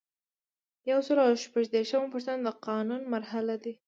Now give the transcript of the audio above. یو سل او شپږ دیرشمه پوښتنه د قانون مرحلې دي.